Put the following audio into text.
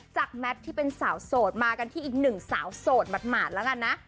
แมทที่เป็นสาวโสดมากันที่อีกหนึ่งสาวโสดหมาดแล้วกันนะ